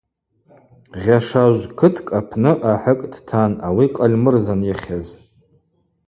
Гъьашажв Кыткӏ апны ахӏыкӏ дтан, ауи Къальмырзан йыхьыз.